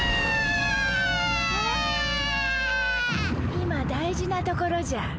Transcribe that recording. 今大事なところじゃ。